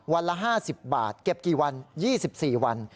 ละ๕๐บาทเก็บกี่วัน๒๔วัน